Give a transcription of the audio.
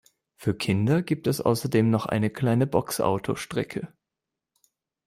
Für Kinder gibt es außerdem noch eine kleine Boxauto-Strecke.